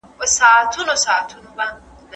پرشتي د انسانانو د ښو کړنو شاهده دي.